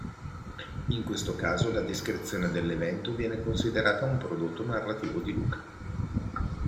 In questo caso la descrizione dell'evento viene considerata un prodotto narrativo di Luca.